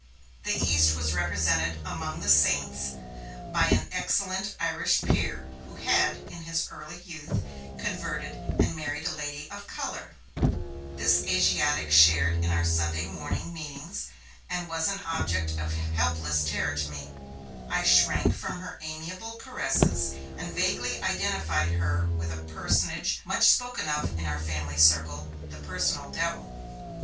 The East was represented among 'the saints' by an excellent Irish peer, who had, in his early youth, converted and married a lady of colour; this Asiatic shared in our Sunday morning meetings, and was an object of helpless terror to me; I shrank from her amiable caresses, and vaguely identified her with a personage much spoken of in our family circle, the 'Personal Devil'.